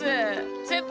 先輩！